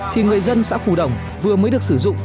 thì người dân xã phù đồng vừa mới được sử dụng